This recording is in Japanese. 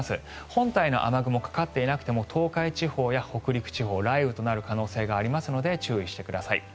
本体の雨雲がかかっていなくても東海地方や北陸地方雷雨となる可能性がありますので注意してください。